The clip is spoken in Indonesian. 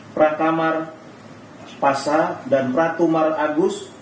pratamar pasa dan pratumar agus